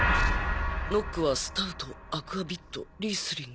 「ノックはスタウトアクアビットリースリング。